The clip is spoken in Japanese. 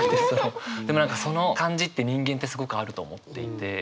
その感じって人間ってすごくあると思っていて。